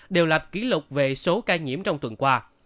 đều là kỷ lục về số ca nhiễm trong tuần qua